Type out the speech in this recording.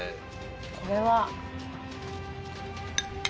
これは。